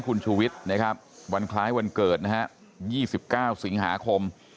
คุณชุวิตนะครับวันคล้ายวันเกิดนะฮะยี่สิบเก้าสิงหาคม